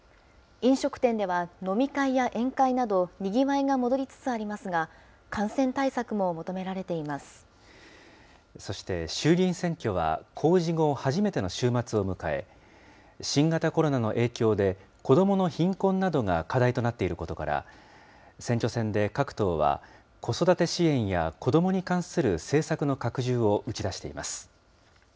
飲食店では飲み会や宴会など、にぎわいが戻りつつありますが、そして、衆議院選挙は公示後、初めての週末を迎え、新型コロナの影響で、子どもの貧困などが課題となっていることから、選挙戦で各党は、子育て支援や子どもに関する政策の拡充を打ち出しています。